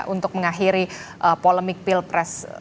untuk mengakhiri polemik pilpres